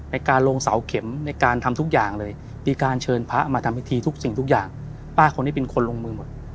ป้าคนนี้เป็นคนลงมือหมด